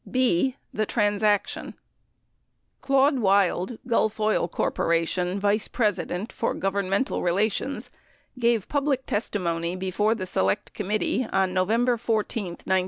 B. The Transaction Claude Wild, Gulf Oil Corp. vice president for governmental rela tions, gave public testimony before the Select Committee on Novem ber 14, 1973.